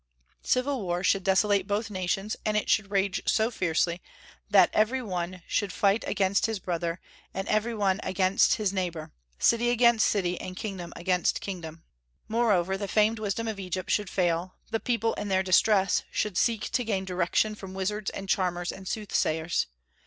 Civil war should desolate both nations, and it should rage so fiercely that "every one should fight against his brother, and every one against his neighbor, city against city, and kingdom against kingdom." Moreover, the famed wisdom of Egypt should fail; the people in their distress should seek to gain direction from wizards and charmers and soothsayers.